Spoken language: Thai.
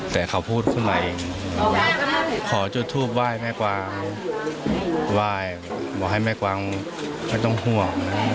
แต่เขาพูดขึ้นมาเองขอจุดทูปไหว้แม่กวางไหว้บอกให้แม่กวางไม่ต้องห่วง